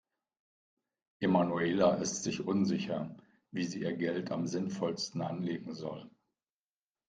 Emanuela ist sich unsicher, wie sie ihr Geld am sinnvollsten anlegen soll.